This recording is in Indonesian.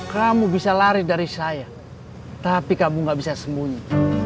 kamu bisa lari dari saya tapi kamu gak bisa sembunyi